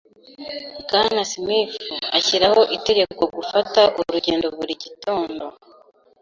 Bwana Smith ashyiraho itegeko gufata urugendo buri gitondo.